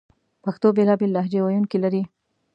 پښتو بېلابېل لهجې ویونکې لري